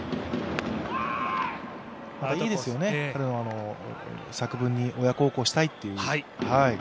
いいですよね、彼の作文に親孝行したいという。